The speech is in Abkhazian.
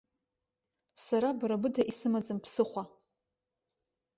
Сара бара быда исымаӡам ԥсыхәа!